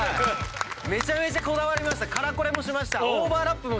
めちゃめちゃこだわった。